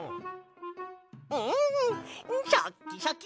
んシャッキシャキ！